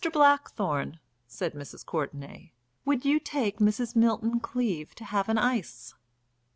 Blackthorne," said Mrs. Courtenay, "would you take Mrs. Milton Cleave to have an ice?"